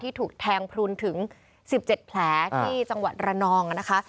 ถูกแทงพลุนถึง๑๗แผลที่จังหวัดระนองนะคะ